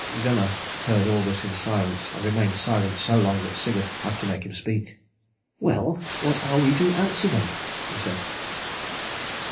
Gunnar heard all this in silence, and remained silent so long that Sigurd had to make him speak. "Well, what are we to answer them?" he said.